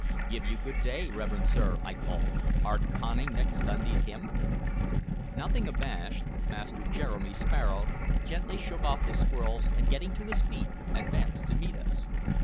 "Give you good day, reverend sir!" I called. "Art conning next Sunday's hymn?" Nothing abashed, Master Jeremy Sparrow gently shook off the squirrels, and getting to his feet advanced to meet us.